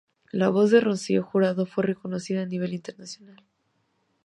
La voz de Rocío Jurado fue reconocida a nivel internacional.